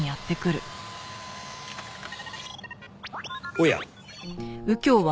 おや。